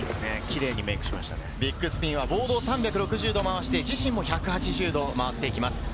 ビッグスピンはボードを３６０度回して、自身も１８０度回っていきます。